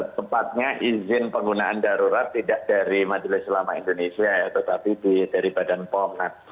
tepatnya izin penggunaan darurat tidak dari majelis ulama indonesia ya tetapi dari badan pom